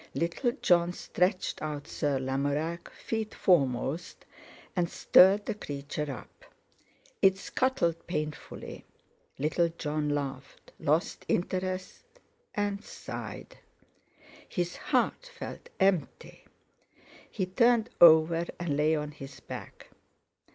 Little Jon stretched out Sir Lamorac, feet foremost, and stirred the creature up. It scuttled painfully. Little Jon laughed, lost interest, and sighed. His heart felt empty. He turned over and lay on his back.